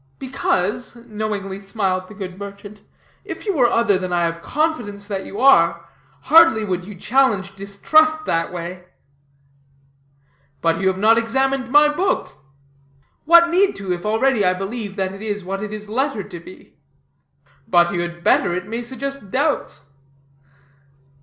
"Because," knowingly smiled the good merchant, "if you were other than I have confidence that you are, hardly would you challenge distrust that way." "But you have not examined my book." "What need to, if already I believe that it is what it is lettered to be?" "But you had better. It might suggest doubts."